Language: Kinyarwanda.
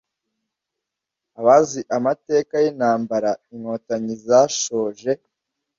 Abazi amateka y’intambara inkotanyi zashoje